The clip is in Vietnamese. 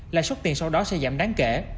lãi suất tiền sau đó sẽ giảm đáng kể